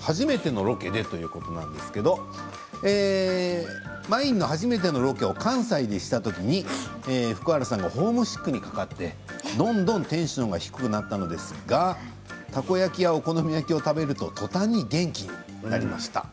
初めてのロケでということなんですけれどもまいんの初めてのロケを関西でした時に福原さんがホームシックにかかってどんどんテンションが低くなったのですがたこ焼きやお好み焼きを食べるととたんに元気になりました。